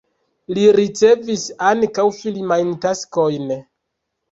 Li ricevis ankaŭ filmajn taskojn.